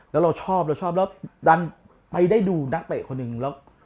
แล้วเราชอบเราชอบแล้วดันไปได้ดูนักเตะคนหนึ่งแล้ว